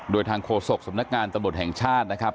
โดยทางโฆษกสำนักงานตำรวจแห่งชาตินะครับ